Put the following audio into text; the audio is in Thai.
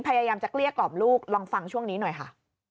พยายามจะเกลี้ยกล่อมลูกลองฟังช่วงนี้หน่อยค่ะ